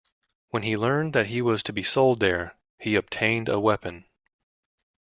When he learned that he was to be sold there, he obtained a weapon.